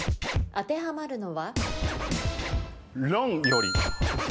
当てはまるのは？